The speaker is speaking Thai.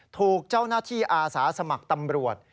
ถูกเจ้าหน้าที่อาสาสมัครตำรวจ